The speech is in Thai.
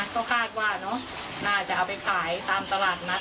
ก็คาดว่าเนอะน่าจะเอาไปขายตามตลาดนัด